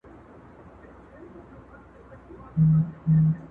تعصب نه منم افغان بم پکی سمت ممت نه منمه